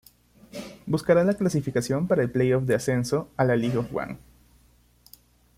Buscará la clasificación para el Play-Off de Ascenso a la League One.